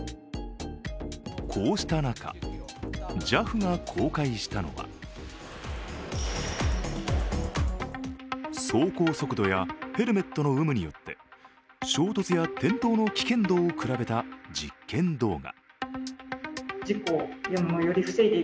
こうした中、ＪＡＦが公開したのは走行速度やヘルメットの有無によって、衝突や転倒の危険度を比べた実験動画。